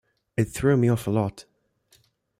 It threw me off a lot.